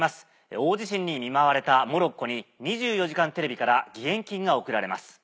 大地震に見舞われたモロッコに『２４時間テレビ』から義援金が送られます。